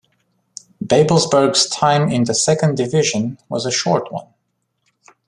"Babelsberg's" time in the second division was a short one.